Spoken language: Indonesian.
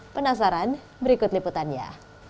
penasaran berikut liputannya